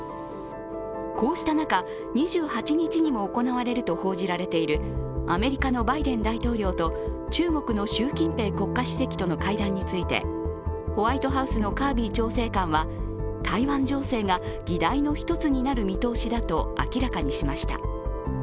こうした中、２８日にも行われると報じられているアメリカのバイデン大統領と中国の習近平国家主席との会談について、ホワイトハウスのカービー調整官は、台湾情勢が議題の１つになる見通しだと明らかにしました。